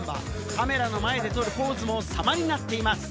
カメラの前で取るポーズも様になっています。